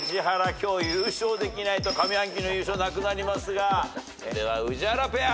今日優勝できないと上半期の優勝なくなりますがでは宇治原ペア。